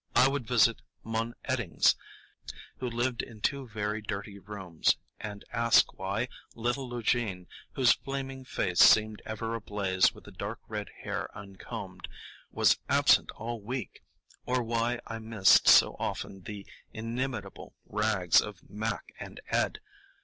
I would visit Mun Eddings, who lived in two very dirty rooms, and ask why little Lugene, whose flaming face seemed ever ablaze with the dark red hair uncombed, was absent all last week, or why I missed so often the inimitable rags of Mack and Ed.